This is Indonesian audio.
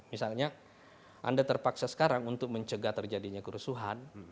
misalnya anda terpaksa sekarang untuk mencegah terjadinya kerusuhan